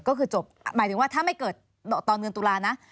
ก็คือจบหมายถึงว่าถ้าไม่เกิดตอนเดือนตุลานะ